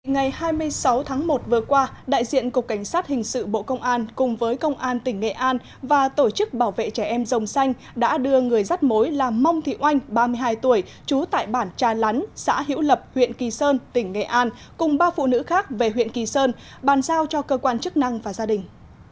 ngày hai mươi sáu tháng một vừa qua đại diện cục cảnh sát hình sự bộ công an cùng với công an tỉnh nghệ an và tổ chức bảo vệ trẻ em dòng xanh đã đưa người rắt mối là mong thị oanh ba mươi hai tuổi trú tại bản trà lán xã hữu lập huyện kỳ sơn tỉnh nghệ an cùng ba phụ nữ khác về huyện kỳ sơn bàn giao cho cơ quan chức năng và gia đình